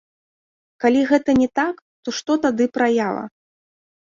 Калі гэта не так, то што тады праява?